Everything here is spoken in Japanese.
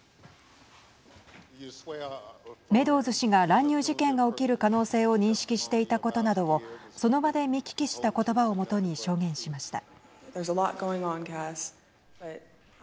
メドウズ氏が乱入事件が起きる可能性を認識していたことなどをその場で見聞きしたことばを基に証言しました。